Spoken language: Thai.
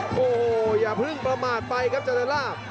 โอ้โหอย่าเพิ่งประมาทไปครับเจริญลาบ